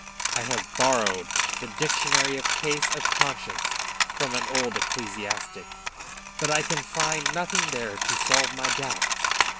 I have borrowed the 'Dictionary of Cases of Conscience' from an old ecclesiastic, but I can find nothing there to solve my doubts.